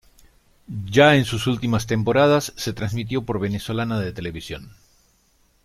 Ya en sus últimas temporadas se transmitió por Venezolana de Televisión.